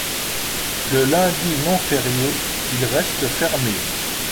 Le lundi non férié, il reste fermé.